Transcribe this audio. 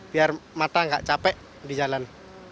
biar mata nggak capek di jalan